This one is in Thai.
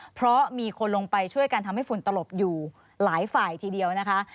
เพราะมีคนลงไปช่วยกันทำให้ฝุ่นตลบอยู่หลายฝ่ายทีเดียวนะคะ